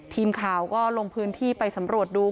ทีมข่าวก็ลงพื้นที่ไปสำรวจดู